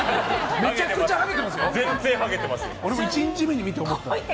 めちゃくちゃハゲてますよ！